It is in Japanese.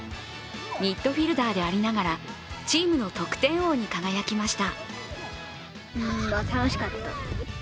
ミッドフィルダーでありながらチームの得点王に輝きました。